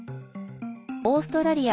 オーストラリア